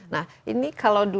nah ini kalau bantu apa